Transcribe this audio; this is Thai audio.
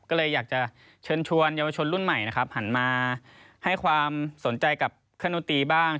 ก็เลยอยากจะเชิญชวนเยาวชนรุ่นใหม่นะครับหันมาให้ความสนใจกับเครื่องดนตรีบ้าง